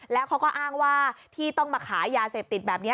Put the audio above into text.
แล้วเขาก็อ้างว่าที่ต้องมาขายยาเสพติดแบบนี้